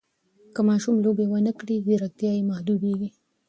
که ماشوم لوبې ونه کړي، ځیرکتیا یې محدوده کېږي.